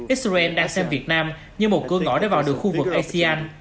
israel đang xem việt nam như một cơ ngõ để vào được khu vực asean